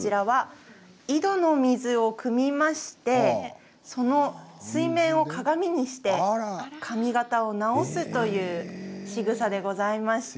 井戸の水をくみましてその水面を鏡にして髪形を直すというしぐさでございました。